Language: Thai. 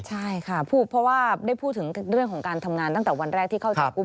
ใช่ค่ะเพราะว่าได้พูดถึงเรื่องของการทำงานตั้งแต่วันแรกที่เข้าจับกลุ่ม